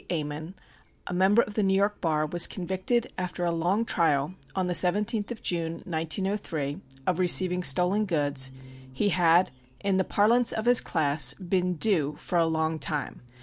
Ammon, a member of the New York bar, was convicted, after a long trial, on the 17th of June, 1903, of receiving stolen goods, he had, in the parlance of his class, been "due" for a long time.